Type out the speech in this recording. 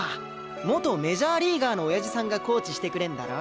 元メジャーリーガーの親父さんがコーチしてくれんだろ？